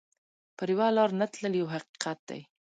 پر یوه لار نه تلل یو حقیقت دی.